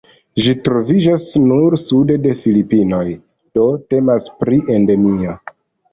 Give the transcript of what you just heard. Ĝi troviĝas nur sude de Filipinoj, do temas pri Endemio.